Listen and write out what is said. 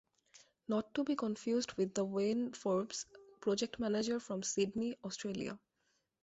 Not to be confused with the Wayne Forbes, Project Manager from Sydney, Australia.